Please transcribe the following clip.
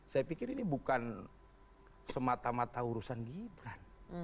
saya pikir ini bukan semata mata urusan gibran